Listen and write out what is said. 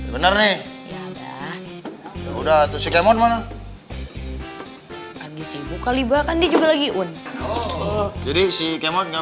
bener nih udah tuh si kemon mana lagi sibuk kali bahkan juga lagi un jadi si kemon nggak